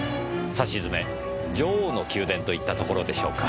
さしずめ「女王の宮殿」と言ったところでしょうか。